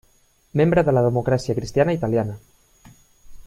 Membre de la Democràcia Cristiana Italiana.